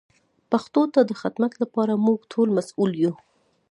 پښتو ته د خدمت لپاره موږ ټول مسئول یو.